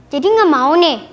jadi gak mau nih